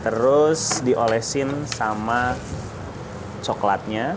terus diolesin sama coklatnya